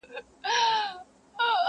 بنده و تړل بارونه، خداى کوله خپل کارونه.